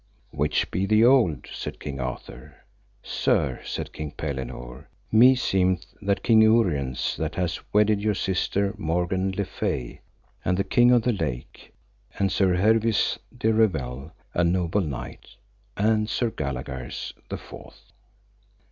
Which be the old? said King Arthur. Sir, said King Pellinore, meseemeth that King Uriens that hath wedded your sister Morgan le Fay, and the King of the Lake, and Sir Hervise de Revel, a noble knight, and Sir Galagars, the fourth.